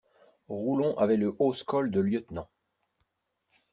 Roulon avait le hausse-col de lieutenant.